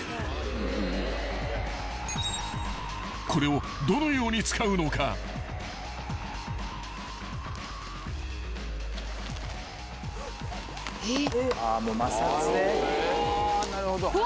［これをどのように使うのか］えっ？